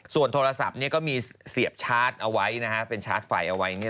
ส่วนโทรศัพท์มีเสียบชาร์จไฟไว้